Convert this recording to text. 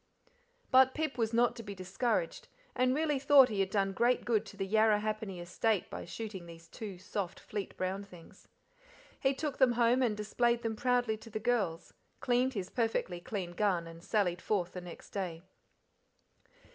But Pip was not to be discouraged, and really thought he had done great good to the Yarrahappini estate by shooting those two soft, fleet brown things. He took them home and displayed them proudly to the girls, cleaned his perfectly clean gun, and sallied forth the next day.